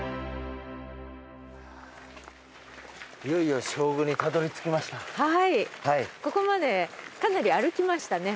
いよいよ正宮にたどりつきました。